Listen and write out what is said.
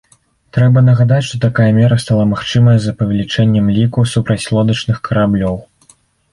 Трэба нагадаць, што такая мера стала магчымая з павелічэннем ліку супрацьлодачных караблёў.